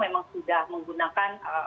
memang sudah menggunakan